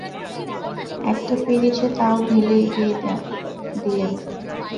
একটা পিরিচে তা-ও ঢেলে এগিয়ে দিলেন।